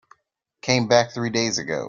Came back three days ago.